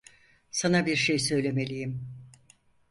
Sana bir şey söylemeliyim.